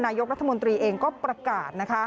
นายกรัฐมนตรีเองก็ประกาศ